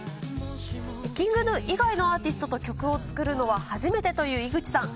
ＫｉｎｇＧｎｕ以外のアーティストと曲を作るのは初めてという井口さん。